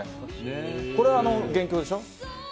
これは原曲でしょ？